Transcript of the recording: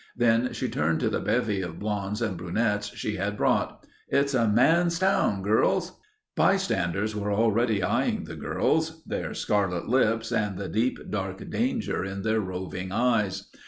Then she turned to the bevy of blondes and brunettes she had brought. "It's a man's town, girls...." Bystanders were already eyeing the girls; their scarlet lips and the deep dark danger in their roving eyes.